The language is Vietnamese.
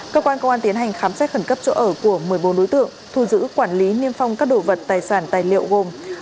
cơ quan công an tiến hành khám xét khẩn cấp chỗ ở của một mươi bốn đối tượng thu giữ quản lý niêm phong các đồ vật tài sản tài liệu gồm